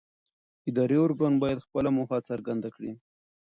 اداري ارګان باید خپله موخه څرګنده کړي.